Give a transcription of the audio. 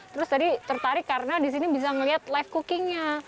terus tadi tertarik karena di sini bisa melihat live cooking nya